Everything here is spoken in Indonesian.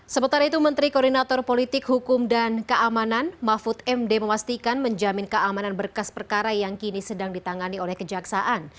sementara itu menteri koordinator politik hukum dan keamanan mahfud md memastikan menjamin keamanan berkas perkara yang kini sedang ditangani oleh kejaksaan